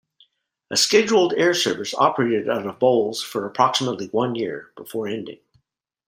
A scheduled air service operated out of Bowles for approximately one year, before ending.